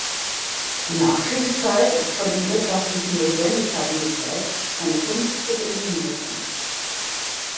Die Nachkriegszeit ist von den wirtschaftlichen Notwendigkeiten geprägt, seine Kunst tritt in den Hintergrund.